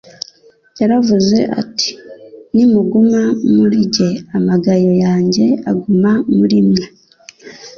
Yaravuze ati : «Nimuguma muri njye, amagayo yanjye, akaguma muri mwe